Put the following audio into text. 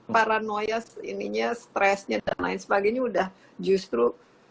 paranoia stressnya dan lain sebagainya udah justru